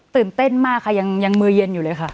ตื่นเต้นมากค่ะยังมือเย็นอยู่เลยค่ะ